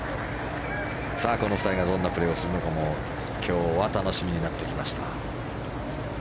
さあ、この２人がどんなプレーをするのかも今日は楽しみになってきました。